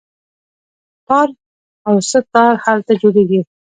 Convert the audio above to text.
تار او سه تار هلته جوړیږي.